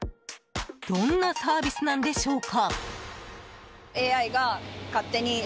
どんなサービスなんでしょうか。